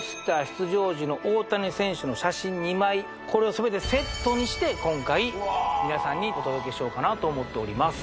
出場時の大谷選手の写真２枚これを全てセットにして今回皆さんにお届けしようかなと思っております